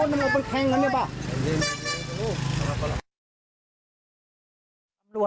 นี่ล่ะมันออกไปแค้นแล้วนี่ป่ะ